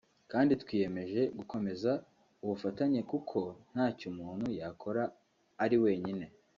kandi twiyemeje gukomeza ubufatanye kuko ntacyo umuntu yakora ari wenyine